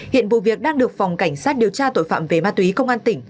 hiện vụ việc đang được phòng cảnh sát điều tra tội phạm về ma túy công an tỉnh